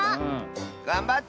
がんばって！